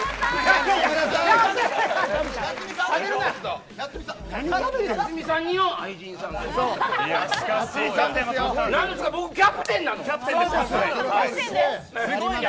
おい僕、キャプテンなの。